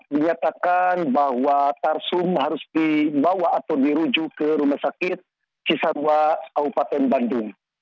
dinyatakan bahwa tarsum harus dibawa atau dirujuk ke rumah sakit cisawa kabupaten bandung